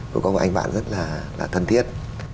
tôi có một anh bạn rất là thân thiết